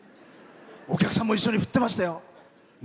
お客さんも一緒に振ってましたよ。